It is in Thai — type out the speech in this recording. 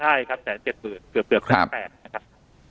ใช่ครับ๑๐๗๐๐๐เกือบเกือบครั้งแทนม